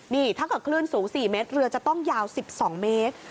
นี่ถ้าเกิดคลื่นสูง๔เมตรเรือจะต้องยาว๑๒เมตร